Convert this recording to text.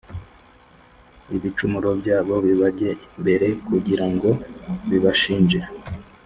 ibicumuro byabo bibajye imbere kugira ngo bibashinje.